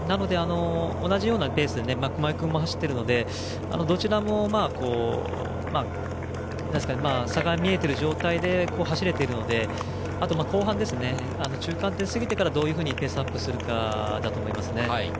同じようなペースで熊井君も走っているのでどちらも差が見えている状態で走れているので後半、中間点を過ぎてからどうやってペースアップするかだと思います。